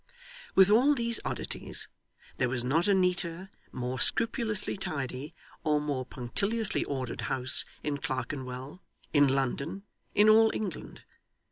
With all these oddities, there was not a neater, more scrupulously tidy, or more punctiliously ordered house, in Clerkenwell, in London, in all England.